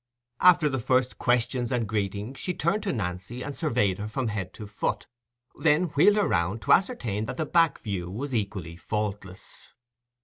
After the first questions and greetings, she turned to Nancy, and surveyed her from head to foot—then wheeled her round, to ascertain that the back view was equally faultless.